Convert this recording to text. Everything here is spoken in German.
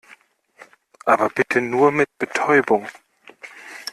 Aber bitte nur mit Betäubung.